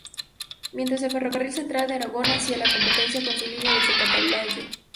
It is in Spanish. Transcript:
Mientras, el Ferrocarril Central de Aragón hacía la competencia con su línea desde Calatayud.